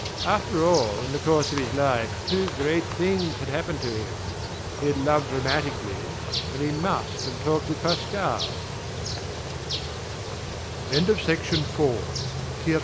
After all, in the course of his life two great things had happened to him: he had loved romantically, and he must have talked with Pascal...